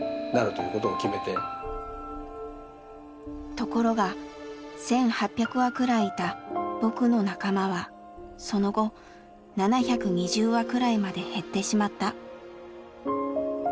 ところが１，８００羽くらいいた僕の仲間はその後７２０羽くらいまで減ってしまった。